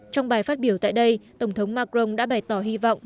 trong bài phát biểu tại đây tổng thống macron đã bày tỏ hy vọng